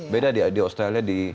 beda di australia